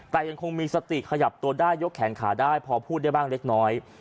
แต่ยังคงมีสติขยับตัวได้ยกแขนขาได้พอพูดได้บ้างเล็กน้อย